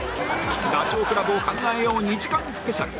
ダチョウ倶楽部を考えよう２時間スペシャル